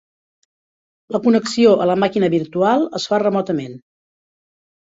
La connexió a la màquina virtual es fa remotament.